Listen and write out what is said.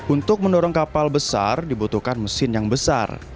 untuk mendorong kapal besar dibutuhkan mesin yang besar